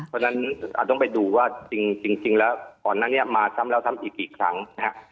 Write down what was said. เพราะฉะนั้นต้องไปดูว่าจริงแล้วก่อนนั้นเนี่ยมาซ้ำแล้วซ้ำอีกกี่ครั้งนะฮะ